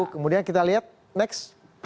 kemudian kita lihat next